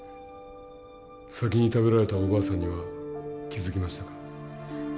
先に食べられたおばあさんには気付きましたか？